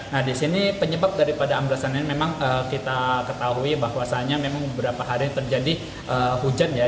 nah di sini penyebab daripada amblesan ini memang kita ketahui bahwasannya memang beberapa hari terjadi hujan ya